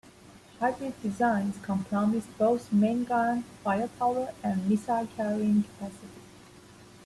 Hybrid designs compromised both main gun firepower and missile carrying capacity.